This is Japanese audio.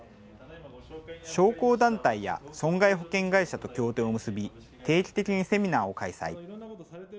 商工団体や損害保険会社と協定を結び定期的にセミナーを開催。